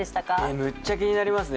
めっちゃ気になりますね。